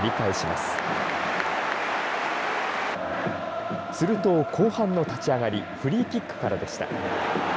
すると後半の立ち上がりフリーキックからでした。